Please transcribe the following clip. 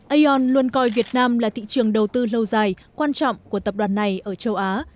aon luôn coi việt nam là thị trường đầu tư lâu dài quan trọng của tập đoàn này ở châu á